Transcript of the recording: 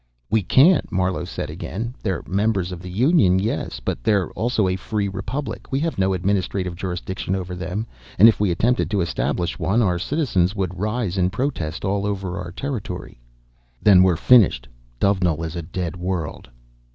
"We can't," Marlowe said again. "They're members of the Union, yes, but they're also a free republic. We have no administrative jurisdiction over them, and if we attempted to establish one our citizens would rise in protest all over our territory." "Then we're finished. Dovenil is a dead world."